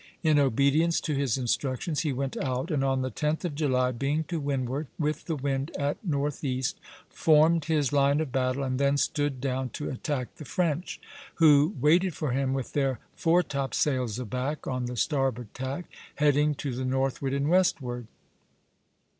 In obedience to his instructions he went out, and on the 10th of July, being to windward, with the wind at northeast, formed his line of battle, and then stood down to attack the French, who waited for him, with their foretopsails aback on the starboard tack, heading to the northward and westward.